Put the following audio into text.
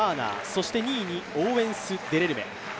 そして２位にオーウェンス・デレルメ。